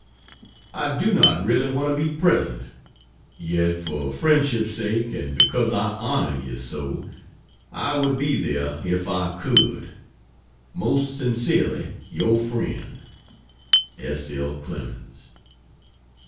I do not really want to be present; yet for friendship's sake and because I honor you so, I would be there if I could. Most sincerely your friend, S. L. CLEMENS.